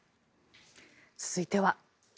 続いては。